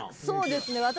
そうですね。